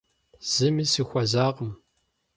Зыми сыхуэзакъым.